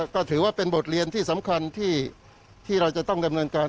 ก็ถือว่าเป็นบทเรียนที่สำคัญที่เราจะต้องดำเนินการ